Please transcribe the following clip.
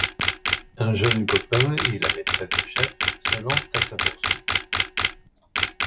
Un jeune copain et la maîtresse du chef se lancent à sa poursuite.